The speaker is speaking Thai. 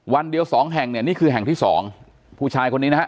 วันเดียวสองแห่งเนี่ยนี่คือแห่งที่สองผู้ชายคนนี้นะฮะ